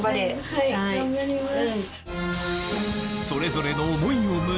はい頑張ります。